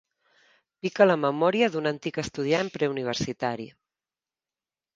Pica la memòria d'un antic estudiant preuniversitari.